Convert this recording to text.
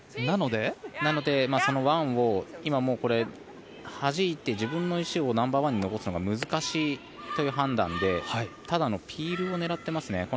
なのでワンをはじいて自分の石をナンバーワンに残すのが難しいという判断でただ、ピールを狙ってますね。